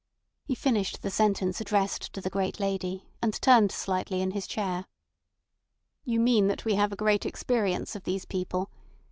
He finished the sentence addressed to the great lady, and turned slightly in his chair. "You mean that we have a great experience of these people.